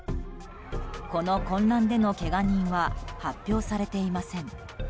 この混乱でのけが人は発表されていません。